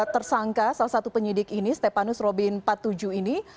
tersangka salah satu penyidik ini stepanus robin empat puluh tujuh ini